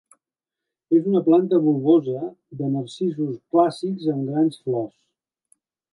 És una planta bulbosa de narcisos clàssics amb grans flors.